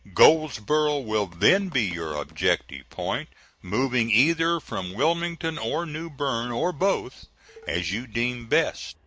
Goldsboro' will then be your objective point, moving either from Wilmington or New Bern, or both, as you deem best.